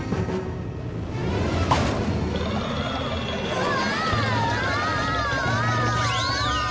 うわ！